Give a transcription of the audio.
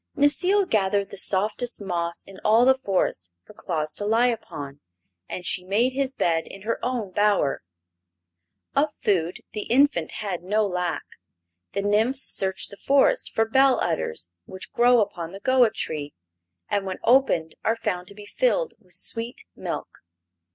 Necile gathered the softest moss in all the forest for Claus to lie upon, and she made his bed in her own bower. Of food the infant had no lack. The nymphs searched the forest for bell udders, which grow upon the goa tree and when opened are found to be filled with sweet milk.